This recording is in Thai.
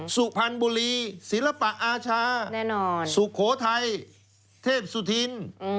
สุพรรณบุรีศิลปะอาชาสุโขทัยเทพสุธิน